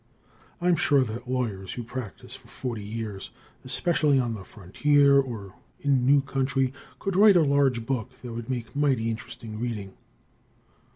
I'm sure that lawyers who practice for forty years, especially on the frontier or in a new country, could write a large book that would make mighty interesting reading.